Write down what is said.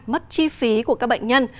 mất chi phí của các bệnh nhân